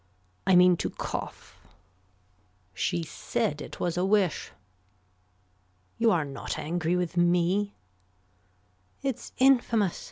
I mean to cough. She said it was a wish. You are not angry with me. It's infamous.